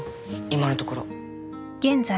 今のところ